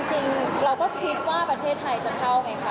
เอาจริงเราก็คิดก็คิดว่าประเทศไทยจะเข้าไงค่ะ